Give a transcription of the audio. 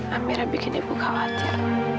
amirah bikin ibu khawatir